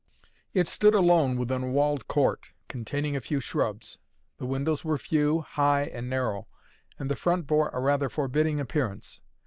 It stood alone within a walled court, containing a few shrubs. The windows were few, high and narrow, and the front bore a rather forbidding appearance.